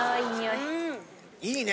いいね！